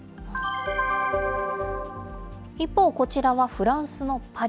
一方、こちらはフランスのパリ。